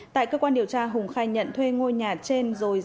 tại cơ quan điều tra hùng khai nhận thuê ngôi nhà trên rồi giải quyết đối tượng